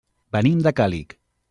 Venim de Càlig.